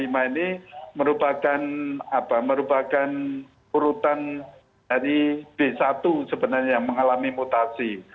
ini merupakan urutan dari b satu sebenarnya yang mengalami mutasi